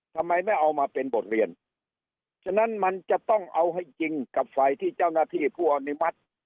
ทำไมไม่เอามาเป็นบทเรียนฉะนั้นมันจะต้องเอาให้จริงกับฝ่ายที่เจ้าหน้าที่ผู้อนุมัติ